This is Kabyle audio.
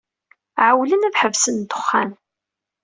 Ɛewwlen ad ḥebsen ddexxan.